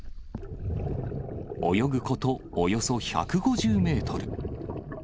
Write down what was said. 泳ぐこと、およそ１５０メートル。